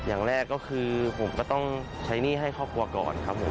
อย่างแรกก็คือผมก็ต้องใช้หนี้ให้ครอบครัวก่อนครับผม